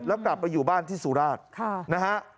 แล้วกลับไปอยู่บ้านที่สุราชนะฮะ